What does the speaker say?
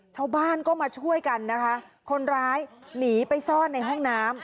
ชาวบ้านก็มาช่วยกันนะคะคนร้ายหนีไปซ่อนในห้องน้ำ